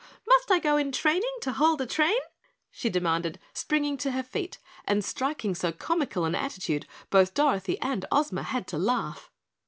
"Must I go in training to hold a train?" she demanded, springing to her feet and striking so comical an attitude both Dorothy and Ozma had to laugh.